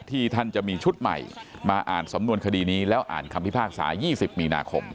ที่ท่านจะมีชุดใหม่มาอ่านสำนวนคดีนี้แล้วอ่านคำพิพากษา๒๐มีนาคม